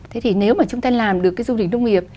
thế thì nếu mà chúng ta làm được cái du lịch nông nghiệp